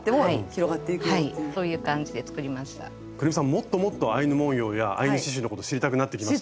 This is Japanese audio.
もっともっとアイヌ文様やアイヌ刺しゅうのこと知りたくなってきました？